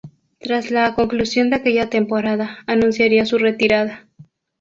Tras la conclusión de aquella temporada, anunciaría su retirada.